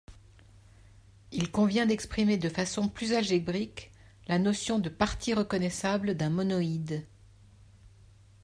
Il convient d'exprimer de façon plus algébrique la notion de partie reconnaissable d'un monoïde.